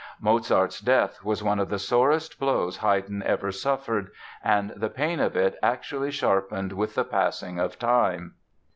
Mozart's death was one of the sorest blows Haydn ever suffered, and the pain of it actually sharpened with the passing of time.